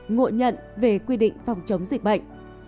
ngộ nhận về quy định phòng chống dịch bệnh